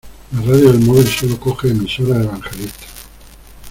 La radio del móvil sólo coge emisoras evangelistas.